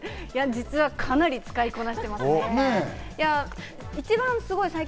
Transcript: かなり使いこなしてます。